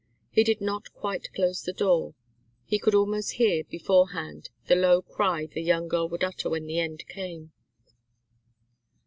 He did not quite close the door. He could almost hear, beforehand, the low cry the young girl would utter when the end came.